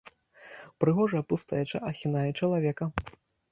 Прыгожая пустэча ахінае чалавека.